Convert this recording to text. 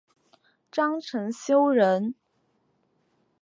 张懋修人。